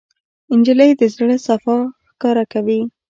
نجلۍ د زړه صفا ښکاره کوي.